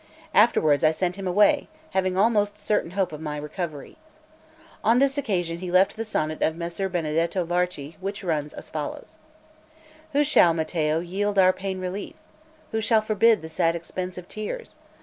Afterwards I sent him away, having almost certain hope of my recovery. On this occasion he left the sonnet of Messer Benedetto Varchi, which runs as follows: 5 "Who shall, Mattio, yield our pain relief? Who shall forbid the sad expense of tears?